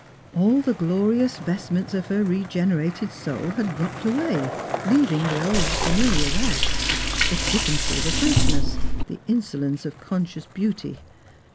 All the glorious vestments of her regenerated soul had dropped away, leaving the old familiar rags — the flippancy, the fastness, the insolence of conscious beauty.